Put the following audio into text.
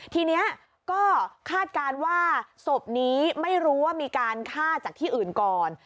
ทีนี้ก็คาดการณ์ว่าศพนี้ไม่รู้ว่ามีการฆ่าจากที่อื่นก่อน